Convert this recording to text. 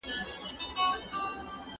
اولاد هم غم، نه اولاد هم غم.